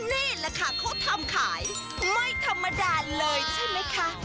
นี่แหละค่ะเขาทำขายไม่ธรรมดาเลยใช่ไหมคะ